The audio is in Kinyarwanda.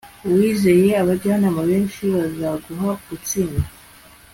uwizeye abajyanama benshi bazaguha gutsinda